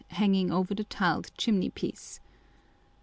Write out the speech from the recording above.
hanging over the tiled chimneypiece.